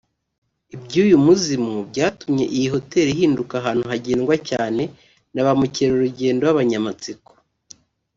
Iby’uyu muzimu byatumye iyi hotel ihinduka ahantu hagendwa cyane na ba mukerarugendo b’abanyamatsiko